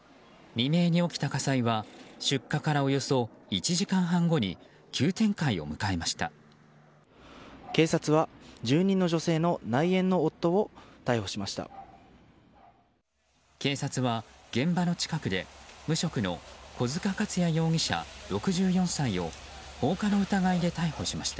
未明に起きた火災は出火からおよそ１時間半後に急展開を迎えました。